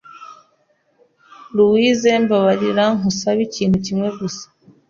ruwize mbabarira nkusabe ikintu kimwe gusa,